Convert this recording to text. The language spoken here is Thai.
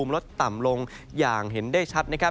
ลดต่ำลงอย่างเห็นได้ชัดนะครับ